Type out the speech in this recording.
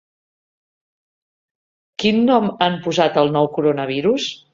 Quin nom han posat al nou coronavirus?